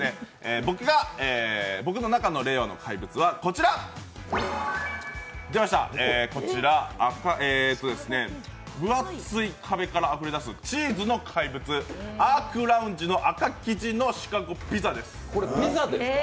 僕の中の令和の怪物はこちら、分厚い壁からあふれ出すチーズの怪物、ＡｒｋＬｏｕｎｇｅの赤生地のシカゴピザです。